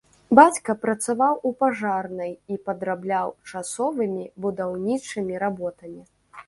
Бацька працаваў у пажарнай і падрабляў часовымі будаўнічымі работамі.